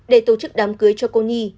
để tổ chức đám cưới cho cô nhi